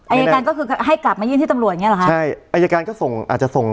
อายการก็คือให้กลับมายื่นที่ตำรวจอย่างเงี้เหรอฮะใช่อายการก็ส่งอาจจะส่ง